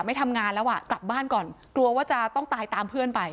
ไม่ทำงานแล้วอ่ะกลับบ้านก่อนกลัวว่าจะต้องตายตามเพื่อนไป